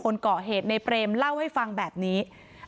คนเกาะเหตุในเปรมเล่าให้ฟังแบบนี้